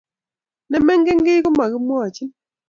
ne mengen kii ko makimwachin